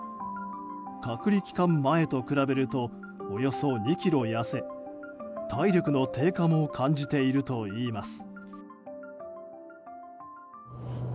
隔離期間前と比べるとおよそ２ｋｇ痩せ体力の低下も感じているといいます。